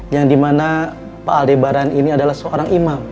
yang dimana pak aldebaran ini adalah seorang imam